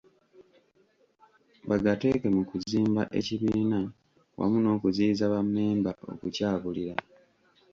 Bagateeke mu kuzimba ekibiina wamu n'okuziyiza bammemba okukyabuulira.